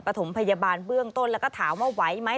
ถมพยาบาลเบื้องต้นแล้วก็ถามว่าไหวไหม